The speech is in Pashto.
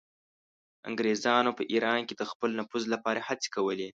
انګریزانو په ایران کې د خپل نفوذ لپاره هڅې کولې.